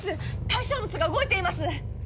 対象物が動いています。